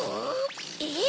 えっ？